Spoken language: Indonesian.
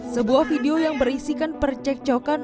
sebuah video yang berisikan percekcokan